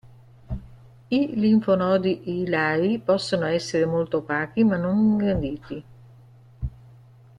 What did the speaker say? I linfonodi ilari possono essere molto opachi ma non ingranditi.